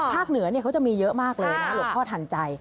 เหนือเขาจะมีเยอะมากเลยนะหลวงพ่อทันใจ